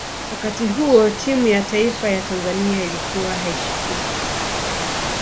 wakati huo timu ya taifa ya tanzania ilikuwa haishikiki